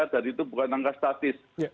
dan itu bukan angka statis